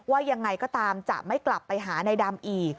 ว่ายังไงก็ตามจะไม่กลับไปหาในดำอีก